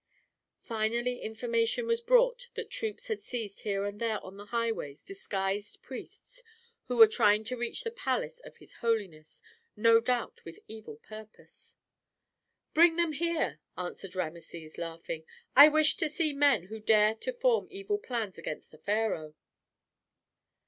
Finally information was brought that troops had seized here and there on the highways, disguised priests who were trying to reach the palace of his holiness, no doubt with evil purpose. "Bring them here," answered Rameses, laughing. "I wish to see men who dare to form evil plans against the pharaoh."